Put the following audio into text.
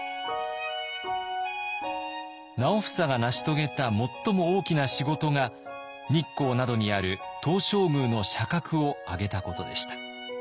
直房が成し遂げた最も大きな仕事が日光などにある東照宮の社格を上げたことでした。